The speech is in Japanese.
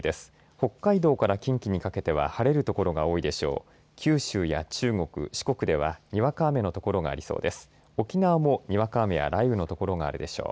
北海道から近畿にかけては晴れる所が多いでしょう。